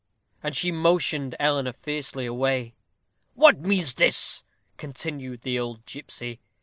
And she motioned Eleanor fiercely away. "What means this?" continued the old gipsy.